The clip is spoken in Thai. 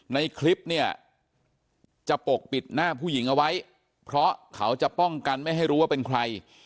ในคลิปเนี่ยจะปกปิดหน้าผู้หญิงเอาไว้เพราะเขาจะป้องกันไม่ให้รู้ว่าเป็นใคร